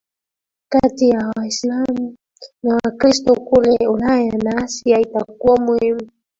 kati ya Waislamu na Wakristo kule Ulaya na Asia Itakuwa muhimu